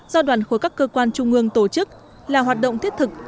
do đoàn khối các cơ quan trung ương tổ chức là hoạt động thiết thực